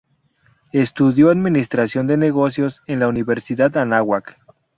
Estudió Administración de Negocios en la Universidad Anáhuac.